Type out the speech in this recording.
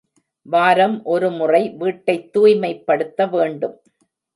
வாரம் ஒரு முறை வீட்டைத் தூய்மைப்படுத்த வேண்டும்.